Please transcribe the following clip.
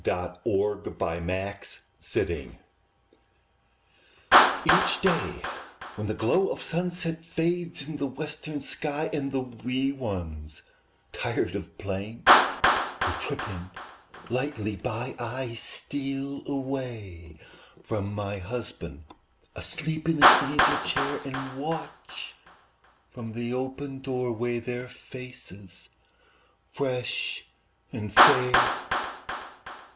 ARE THE CHILDREN AT HOME? Each day, when the glow of sunset Fades in the western sky, And the wee ones, tired of playing, Go tripping lightly by, I steal away from my husband, Asleep in his easy chair, And watch from the open door way Their faces fresh and fair.